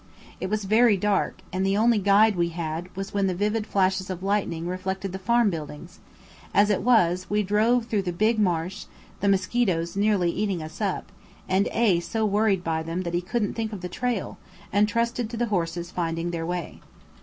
It was very dark, and the only guide we had was when the vivid flashes of lightning reflected the farm buildings; as it was, we drove through the big marsh, the mosquitoes nearly eating us up; and A so worried by them that he couldn't think of the trail, and trusted to the horses finding their way.